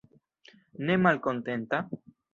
Ne malkontenta?